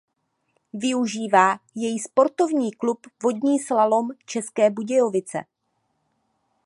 Využívá jej Sportovní klub vodní slalom České Budějovice.